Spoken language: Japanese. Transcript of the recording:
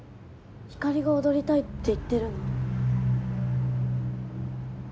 ひかりが踊りたいって言ってるの？